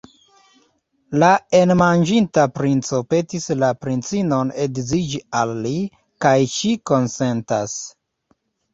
La enamiĝinta princo petis la princinon edziniĝi al li, kaj ŝi konsentas.